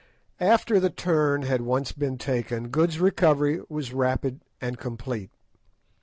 After the turn had once been taken, Good's recovery was rapid and complete.